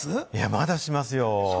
まだしますよ。